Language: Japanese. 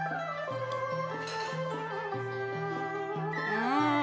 うん。